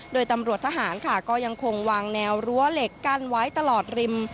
โดยตำรวจทหารค่ะก็ยังคงวางแนวรั้วเหล็กกั้นไว้ตลอดริม